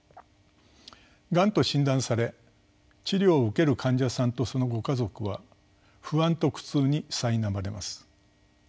がんと診断され治療を受ける患者さんとそのご家族は不安と苦痛にさいなまれます。